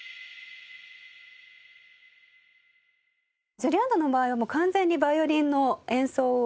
ジュリアードの場合はもう完全にヴァイオリンの演奏を。